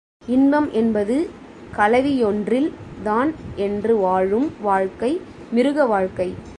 இன்பம் என்பது கலவியொன்றில்தான் என்று வாழும் வாழ்க்கை மிருக வாழ்க்கை.